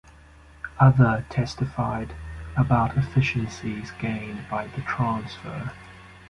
Other testified about efficiencies gained by the transfer.